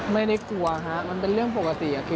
ไม่ได้กลัวฮะมันเป็นเรื่องปกติ